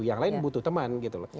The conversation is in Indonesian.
yang lain butuh teman gitu loh